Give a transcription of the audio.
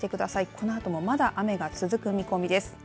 このあともまだ雨が続く見込みです。